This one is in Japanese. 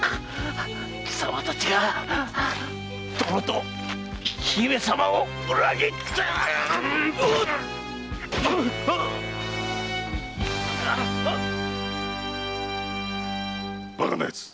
貴様たちが殿と姫様を裏切って‼バカな奴！